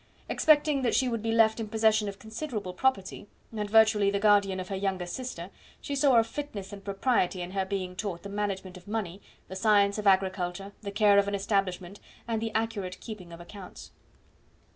Expecting that she would be left in possession of considerable property, and virtually the guardian of her younger sister, she saw a fitness and propriety in her being taught the management of money, the science of agriculture, the care of an establishment, and the accurate keeping of accounts.